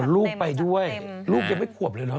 ลูกไปด้วยลูกยังไม่ขวบเลยเหรอ